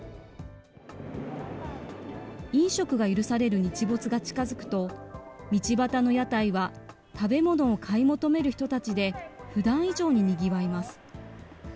飲食が許される日没が近づくと、道端の屋台は食べ物を買い求める人たちで、ふだん以上ににぎわいます。